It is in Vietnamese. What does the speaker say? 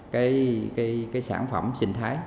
cái sản phẩm sinh thái